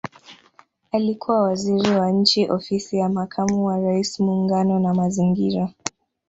Alikuwa Waziri wa Nchi Ofisi ya Makamu wa Rais Muungano na Mazingira